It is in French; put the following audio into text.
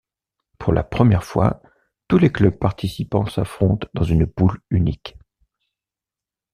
Pour la première fois, tous les clubs participants s'affrontent dans une poule unique.